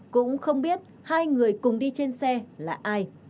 cũng không biết hai người cùng đi trên xe là ai